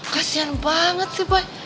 kasian banget sih boy